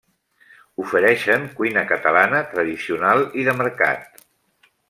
Ofereixen cuina catalana tradicional i de mercat.